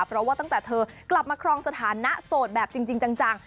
เพราะว่าตั้งแต่เธอกลับมาครองสถานะโสดแบบจริงจัง